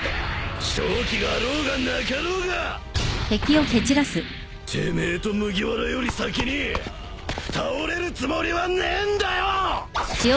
勝機があろうがなかろうがてめえと麦わらより先に倒れるつもりはねえんだよ！